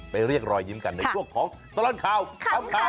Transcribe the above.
เรียกรอยยิ้มกันในช่วงของตลอดข่าวขำ